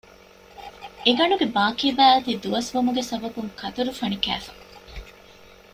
އެ ގަނޑުގެ ބާކީބައި އޮތީ ދުވަސްވުމުގެ ސަބަބުން ކަތުރުފަނި ކައިފަ